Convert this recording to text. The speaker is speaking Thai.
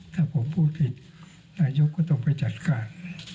ถ้าผมพูดผิดนายกก็ต้องไปจัดการ